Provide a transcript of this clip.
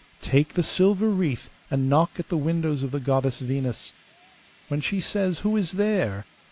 Take the silver wreath and knock at the windows of the goddess Venus. When she says, "Who is there?"